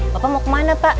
bapak mau kemana pak